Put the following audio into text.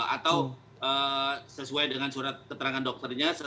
atau sesuai dengan surat keterangan dokternya